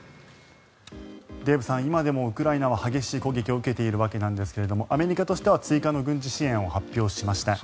デーブさん、今でもウクライナは激しい攻撃を受けているわけですがアメリカとしては追加の軍事支援を発表しました。